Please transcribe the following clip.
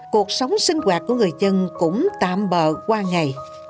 cuộc sống sinh hoạt của người dân cũng tạm bờ qua ngày